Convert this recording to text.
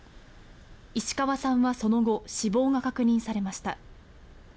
石川さんはその後、死亡が確認されました。